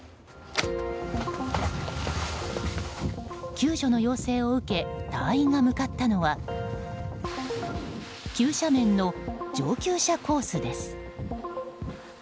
救助の要請を受け隊員が向かったのは急斜面の上級者コースです。